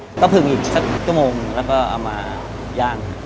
แล้วก็ผึงอีกสักชั่วโมงแล้วก็เอามาย่าง